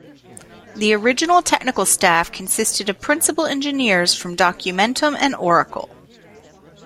The original technical staff consisted of principal engineers from Documentum and Oracle.